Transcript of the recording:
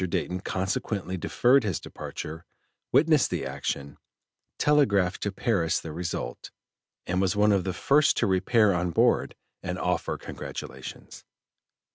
Dayton consequently deferred his departure, witnessed the action, telegraphed to Paris the result, and was one of the first to repair on board and offer congratulations.